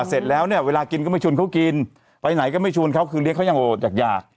เสร็จแล้วเนี่ยเวลากินก็ไม่ชวนเขากินไปไหนก็ไม่ชวนเขาคือเลี้ยเขายังโหดอยาก